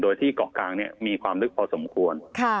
โดยที่เกาะกลางมีความลึกพอสมควร